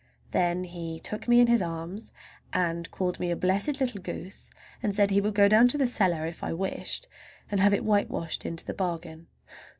Then he took me in his arms and called me a blessed little goose, and said he would go down cellar if I wished, and have it whitewashed into the bargain.